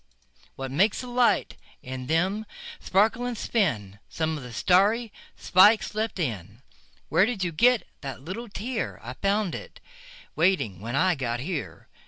What makes the light in them sparkle and spin? Some of the starry spikes left in. Where did you get that little tear?I found it waiting when I got here.